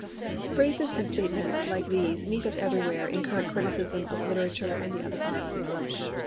"' Phrases and statements like these meet us everywhere in current criticism of literature and the other arts.